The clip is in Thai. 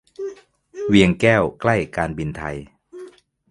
เวียงแก้ว ใกล้การบินไทย